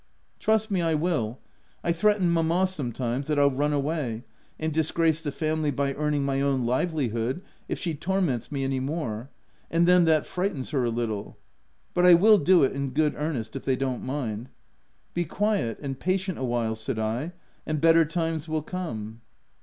" Trust me, I will. I threaten mamma some times, that I'll run away, and disgrace the family by earning my own livelihood, if she torments me any more ; and then that frightens her a little. But I will do it, in good earnest, if they don't mind." C( Be quiet and patient awhile," said I, " and better times will come."